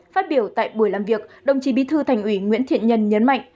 phát biểu tại buổi làm việc đồng chí bí thư thành ủy nguyễn thiện nhân nhấn mạnh